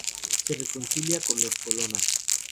Se reconcilia con los Colonna.